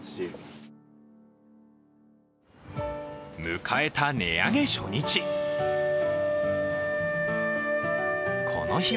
迎えた値上げ初日。